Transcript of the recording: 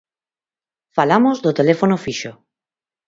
Falamos do teléfono fixo.